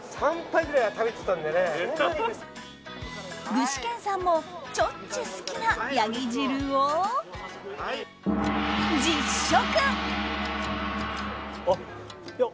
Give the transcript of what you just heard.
具志堅さんもちょっちゅ好きなヤギ汁を実食。